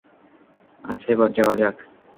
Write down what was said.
আচ্ছা, এবার যাওয়া যাক।